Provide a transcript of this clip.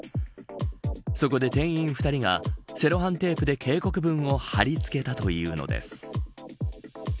そこで、店員２人がセロハンテープで警告文を貼り付けたというのです。